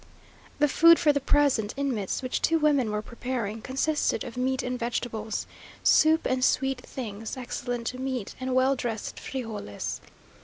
The food for the present inmates, which two women were preparing, consisted of meat and vegetables, soup and sweet things; excellent meat, and well dressed frijoles.